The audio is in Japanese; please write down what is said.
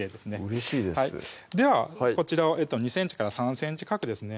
うれしいですではこちらを２ｃｍから３ｃｍ角ですね